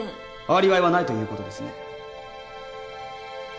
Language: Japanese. アリバイはないという事ですね。